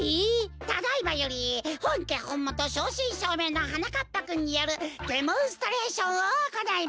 ただいまよりほんけほんもとしょうしんしょうめいのはなかっぱくんによるデモンストレーションをおこないます！